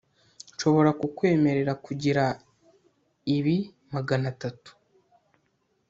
nshobora kukwemerera kugira ibi magana atatu